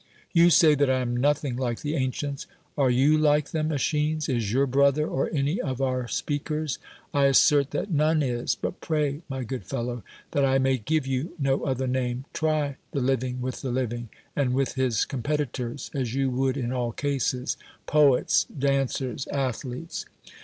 You say that I am nothing like the ancients. Are you like them, ^T^schines? Is your brother, or any of our speakers? I assert that none is. But pray, my good fellow (that I may give yon no other name), try the living with the living and with his competitors, as you would in all cases — jxiets, dancers, athletes.